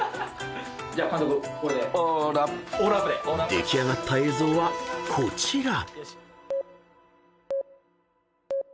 ［出来上がった映像はこちら］